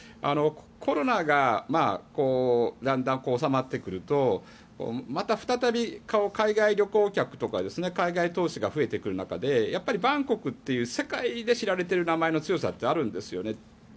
コロナがだんだん収まってくるとまた再び海外旅行客とか海外投資が増えてくる中でバンコクという世界で知られてる名前の強さってあるんですよね。